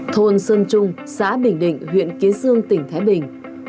thôn sơn trung xã bình định huyện kế dương tỉnh thái bình